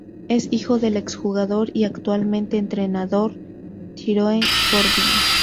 Es hijo del exjugador y actualmente entrenador Tyrone Corbin.